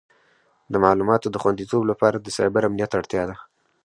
د معلوماتو د خوندیتوب لپاره د سایبر امنیت اړتیا ده.